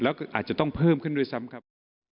แล้วก็อาจจะต้องเพิ่มขึ้นด้วยซ้ำครับ